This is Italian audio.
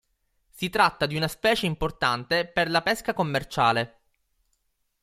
Si tratta di una specie importante per la pesca commerciale.